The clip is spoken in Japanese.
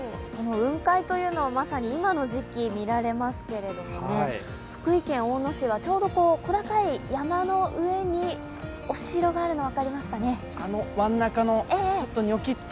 雲海というのはまさに今の時期、見られますけれども福井県大野市はちょうど小高い山の上に、お城があるの分かりますかね？